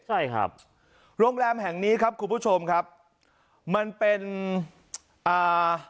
ใช่ครับโรงแรมแห่งนี้ครับคุณผู้ชมครับมันเป็นอ่า